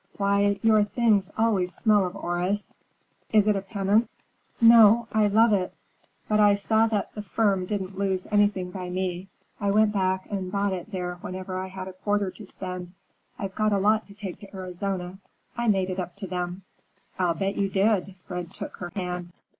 Why, your things always smell of orris; is it a penance?" "No, I love it. But I saw that the firm didn't lose anything by me. I went back and bought it there whenever I had a quarter to spend. I got a lot to take to Arizona. I made it up to them." "I'll bet you did!" Fred took her hand.